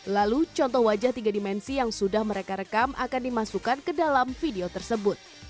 lalu contoh wajah tiga dimensi yang sudah mereka rekam akan dimasukkan ke dalam video tersebut